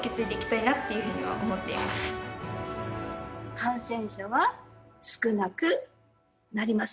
感染者は少なくなります。